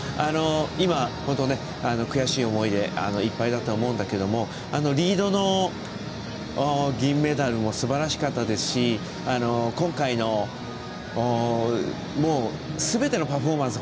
今、本当悔しい思いでいっぱいだとは思うんだけどもリードの銀メダルもすばらしかったですし今回のすべてのパフォーマンス